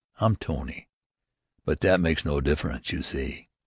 I'm Tony! But that makes no diff'rence, you see.